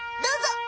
どうぞ！